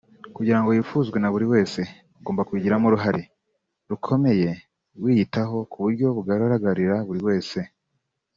Kugirango wifuzwe naburiwese ugomba kubigiramo uruhare rukomeye wiyitaho ku buryo bugaragarira buri wese